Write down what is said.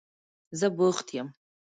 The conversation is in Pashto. زه بوخت یم.